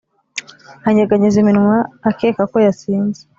anyeganyeza iminwa akeka ko yasinze